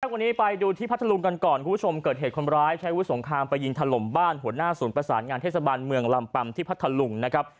วันนี้ไปดูที่พัทธรุงกันก่อนคุณผู้ชมเกิดเหตุคนร้ายใช้วุสงครามไปยิงถล่มบ้านหัวหน้าศูนย์ประสานงานเทศบาลเมืองลำปัมที่พัทธลุงนะครับ